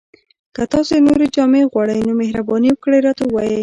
که تاسو نورې جملې غواړئ، نو مهرباني وکړئ راته ووایئ!